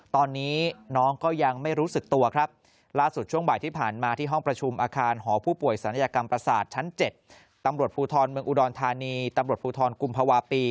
ตอนนี้น้องก็ยังไม่รู้สึกตัว